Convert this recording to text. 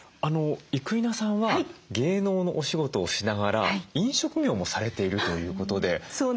生稲さんは芸能のお仕事をしながら飲食業もされているということで。